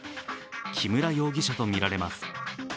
木村容疑者とみられます。